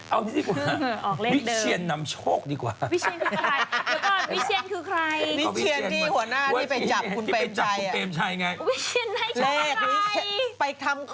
เอาอย่างนี้ดีกว่าวิเชียนนำโชคดีกว่า